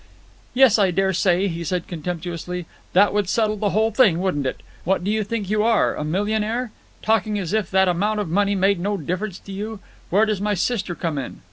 "Yes, I dare say," he said contemptuously. "That would settle the whole thing, wouldn't it? What do you think you are—a millionaire? Talking as if that amount of money made no difference to you? Where does my sister come in?